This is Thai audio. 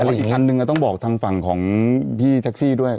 อีกคันนึงก็ต้องบอกทางฝั่งของพี่แท็กซี่ด้วย